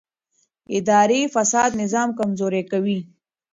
اداري فساد نظام کمزوری کوي